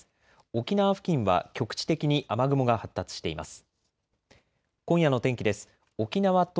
沖縄付近は局地的に雨雲が発達しています。